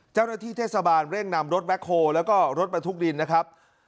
เจ้าหน้าที่เทศบาลเร่งนำรถแบ็คโฮแล้วก็รถบรรทุกดินนะครับ